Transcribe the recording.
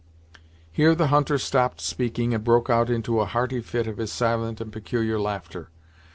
Here the hunter stopped speaking and broke out into a hearty fit of his silent and peculiar laughter.